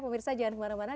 pemirsa jangan kemana mana